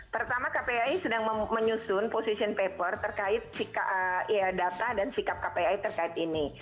pertama kpai sedang menyusun position paper terkait data dan sikap kpai terkait ini